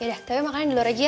yaudah tapi makan di luar aja ya